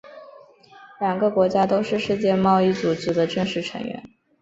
两个国家都是世界贸易组织的正式成员。